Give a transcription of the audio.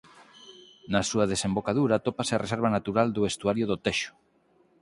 Na súa desembocadura atópase a Reserva Natural do Estuario do Texo.